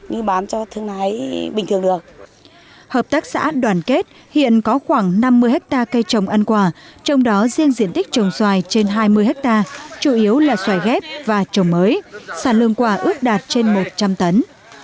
hợp tác xã đoàn kết hiện có khoảng năm mươi hectare cây trồng ăn quả trong đó riêng diện tích trồng xoài trên hai mươi hectare chủ yếu là xoài ghép và trồng mới sản lương quả ước đạt trên một trăm linh tấn